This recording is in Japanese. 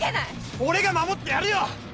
俺が守ってやるよ！